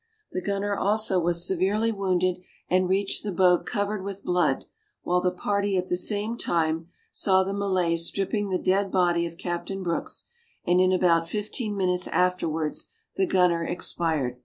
The gunner also was severely wounded, and reached the boat covered with blood, while the party at the same time, saw the Malays stripping the dead body of Captain Brooks; and in about fifteen minutes afterwards the gunner expired.